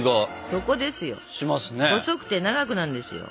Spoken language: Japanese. そこですよ。